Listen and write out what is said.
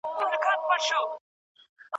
د اجل قاصد نیژدې سو کور یې وران سو